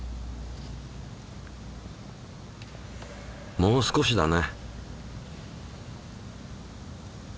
もう少しだね。